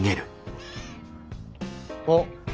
あっ。